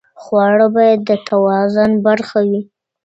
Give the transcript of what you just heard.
خواړه باید د توازن برخه وي.